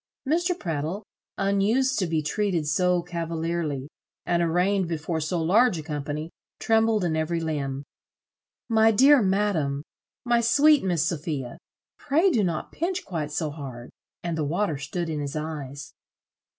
Mr. Prattle, unused to be treated so cavalierly, and arraigned before so large a company, trembled in every limb: "My dear madam, my sweet Miss Sophia, pray do not pinch quite so hard;" and the water stood in his eyes.